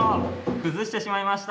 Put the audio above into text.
崩してしまいました。